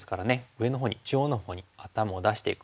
上のほうに中央のほうに頭を出していく。